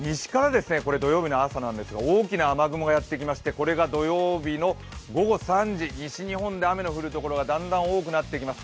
これ土曜日の朝なんですが西から大きな雨雲がやってきてこれが土曜日の午後３時西日本で、雨の降るところがだんだん多くなってきます。